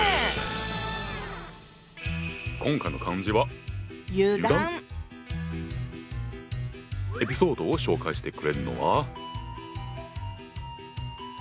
今回の漢字はエピソードを紹介してくれるのは。